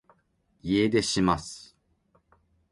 家出します